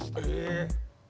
え。